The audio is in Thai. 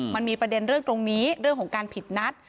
มันมีประเด็นเรื่องตรงนี้เรื่องของการผิดนัด